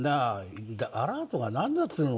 アラートが何だっつうの。